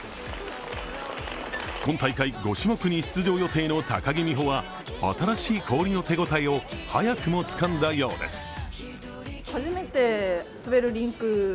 今大会５種目に出場予定の高木美帆は新しい氷の手応えを早くもつかんだようです。